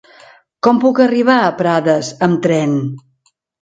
Com puc arribar a Prades amb tren?